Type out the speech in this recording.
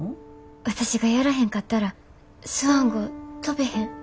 私がやらへんかったらスワン号飛ベへん。